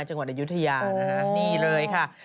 จังหวัดอายุทยานะคะนี่เลยค่ะ